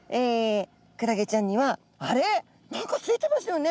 クラゲちゃんにはあれっ？何かついてましたよね？